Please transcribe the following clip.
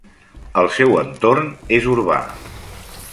El seu entorn és urbà.